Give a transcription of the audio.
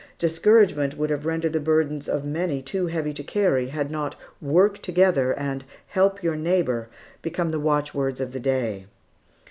Discouragement would have rendered the burdens of many too heavy to carry, had not "work together," and "help your neighbor," become the watchwords of the day.